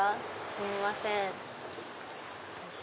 すみません。